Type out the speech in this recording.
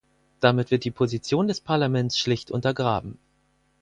Damit wird die Position des Parlaments schlicht untergraben.